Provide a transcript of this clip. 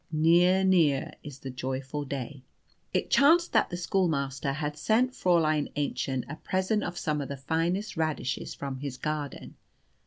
"Near, near is the joyful day!" It chanced that the schoolmaster had sent Fräulein Aennchen a present of some of the finest radishes from his garden.